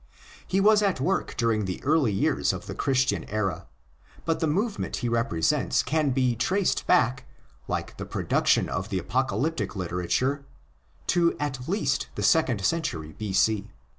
He was at work during the early years of the Christian era; but the move ment he represents can be traced back, like the production of the apocalyptic literature, to at least the second century B.c.